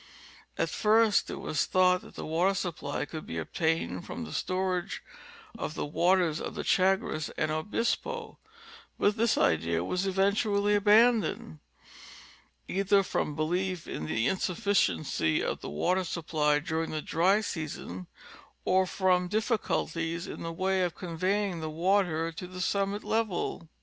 At first it was thought that the water supply could be obtained from the storage of the waters of the Chagres and Obispo, but this idea was event ually abandoned, either from a belief in the insufficiency of the water supply during the dry season, or from diificulties in the way of conveying the water to the summit level.